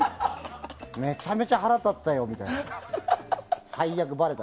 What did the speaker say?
めちゃめちゃ腹立ったよみたいな。